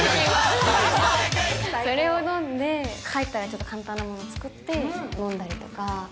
それを飲んで帰ったらちょっと簡単なものを作って飲んだりとか。